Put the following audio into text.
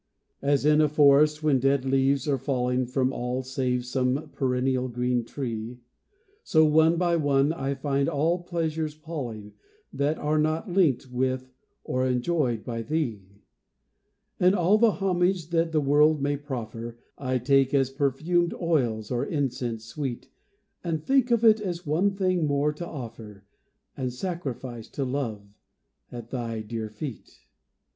As in a forest when dead leaves are falling From all save some perennial green tree, So one by one I find all pleasures palling That are not linked with or enjoyed by thee. And all the homage that the world may proffer, I take as perfumed oils or incense sweet, And think of it as one thing more to offer, And sacrifice to Love, at thy dear feet.